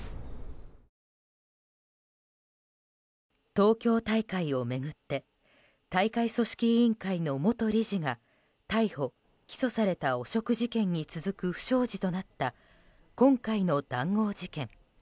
東京大会を巡って大会組織委員会の元理事が逮捕・起訴された汚職事件に続く不祥事となった今回の談合事件。